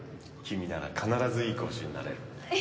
君なら必ずいい講師になれる。